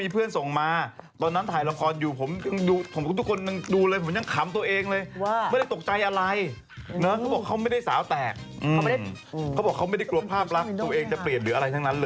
เพราะลูกเค้าเป็นยังไงเหรอทำไมถึงมีข่าวนั้น